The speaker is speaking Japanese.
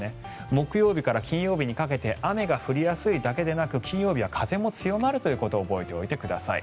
木曜日から金曜日にかけて雨が降りやすいだけでなく金曜日は風も強まるということを覚えておいてください。